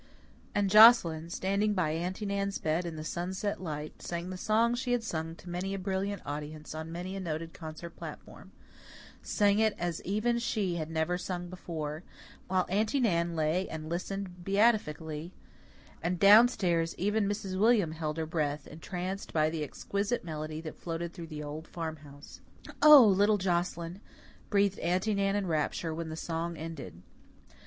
And Joscelyn, standing by Aunty Nan's bed, in the sunset light, sang the song she had sung to many a brilliant audience on many a noted concert platform sang it as even she had never sung before, while Aunty Nan lay and listened beatifically, and downstairs even Mrs. William held her breath, entranced by the exquisite melody that floated through the old farmhouse. "O, little Joscelyn!" breathed Aunty Nan in rapture, when the song ended.